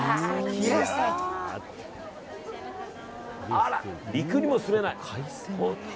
あら、陸にも住めない。